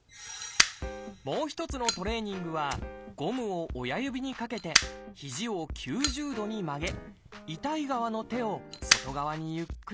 もう一つのトレーニングはゴムを親指にかけて肘を９０度に曲げ痛い側の手を外側にゆっくりと動かします。